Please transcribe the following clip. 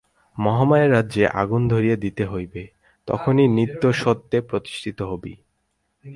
মহামায়ার রাজ্যে আগুন ধরিয়ে দিতে হবে! তখনই নিত্য-সত্যে প্রতিষ্ঠিত হবি।